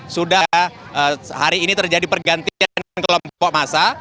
sudah hari ini terjadi pergantian kelompok masa